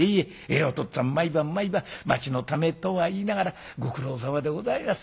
『お父っつぁん毎晩毎晩町のためとは言いながらご苦労さまでございます。